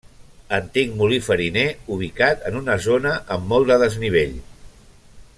Antic molí fariner ubicat en una zona amb molt de desnivell.